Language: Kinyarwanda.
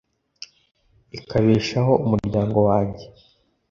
ikabeshaho umuryango wanjye